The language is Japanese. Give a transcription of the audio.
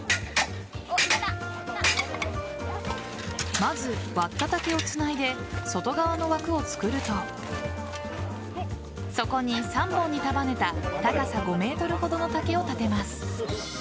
まず割った竹をつないで外側の枠を作るとそこに３本に束ねた高さ５ｍほどの竹を立てます。